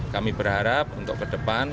kami berharap untuk ke depan